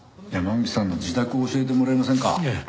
山口さんの自宅を教えてもらえませんか？